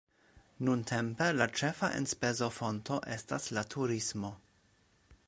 Nuntempe la ĉefa enspezofonto estas la turismo.